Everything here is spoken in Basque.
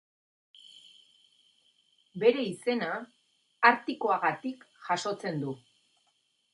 Bere izena Artikoagatik jasotzen du.